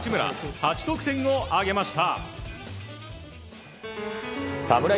８得点を挙げました。